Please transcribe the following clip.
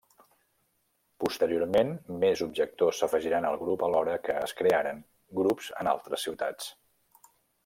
Posteriorment més objectors s'afegiran al grup alhora que es crearen grups en altres ciutats.